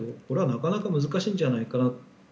これはなかなか難しいんじゃないかな。